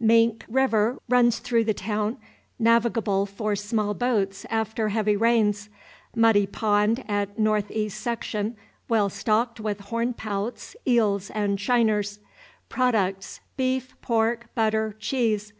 Mink River runs through the town, navigable for small boats after heavy rains. Muddy Pond at N. E. section, well stocked with horn pouts, eels, and shiners. Products, beef, pork, butter, cheese.